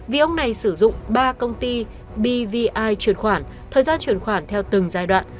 vì ông này sử dụng ba công ty bvi truyền khoản thời gian truyền khoản theo từng giai đoạn